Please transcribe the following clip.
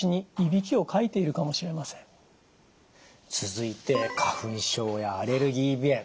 続いて花粉症やアレルギー鼻炎。